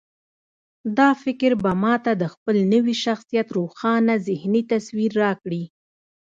دا فکر به ما ته د خپل نوي شخصيت روښانه ذهني تصوير راکړي.